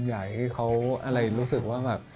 อยากให้เขารู้สึกว่า